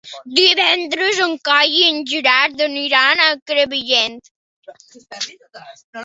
Divendres en Cai i en Gerard aniran a Crevillent.